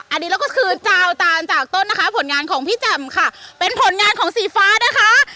นี่ค่ะอันนี้ก็คือเจ้าตาลจากพิจำสิฟ้าเป็นผลงานของสีฟ้านะคะ